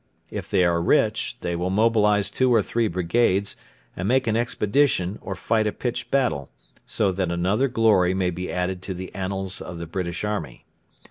If they are rich, they will mobilise two or three brigades, and make an expedition or fight a pitched battle, so that another glory may be added to the annals of the British army.